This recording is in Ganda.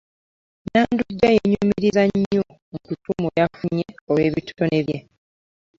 Nandujja yeenyumiririza nnyo mu ttutumu ly’afunye olw’ebitone bye.